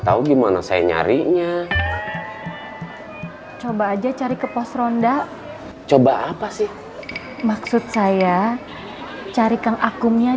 tahu gimana saya nyarinya coba aja cari ke pos ronda coba apa sih maksud saya cari kang akungnya